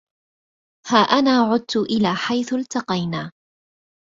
ها أنا عدت إلى حيث التقينا